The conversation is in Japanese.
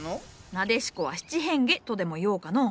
ナデシコは七変化とでもいおうかのう。